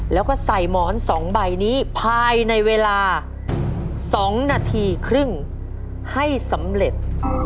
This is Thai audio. แล้วก็ใส่หมอน๒ใบนี้ภายในเวลา๒นาทีครึ่งให้สำเร็จ